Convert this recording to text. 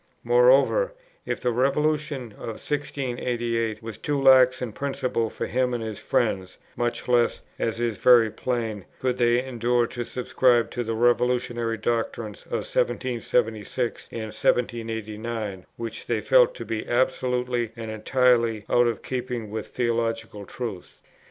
Moreover, if the Revolution of 1688 was too lax in principle for him and his friends, much less, as is very plain, could they endure to subscribe to the revolutionary doctrines of 1776 and 1789, which they felt to be absolutely and entirely out of keeping with theological truth.